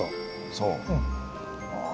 そう。